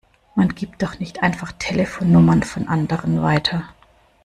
Man gibt doch nicht einfach Telefonnummern von anderen weiter!